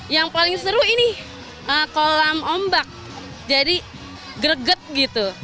yang paling seru ini kolam ombak jadi greget gitu